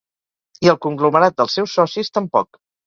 I el conglomerat dels seus socis, tampoc.